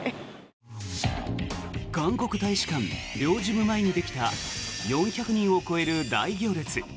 韓国大使館領事部前にできた４００人を超える大行列。